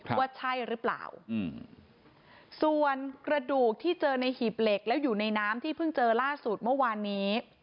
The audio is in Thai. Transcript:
ว่าใช่หรือเปล่าอืมส่วนกระดูกที่เจอในหีบเหล็กแล้วอยู่ในน้ำที่เพิ่งเจอล่าสุดเมื่อวานนี้